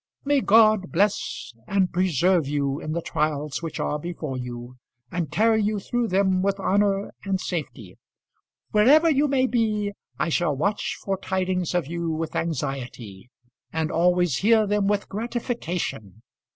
May God bless and preserve you in the trials which are before you, and carry you through them with honour and safety. Wherever you may be I shall watch for tidings of you with anxiety, and always hear them with gratification.